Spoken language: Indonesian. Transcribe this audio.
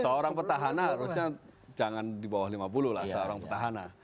seorang petahana harusnya jangan di bawah lima puluh lah seorang petahana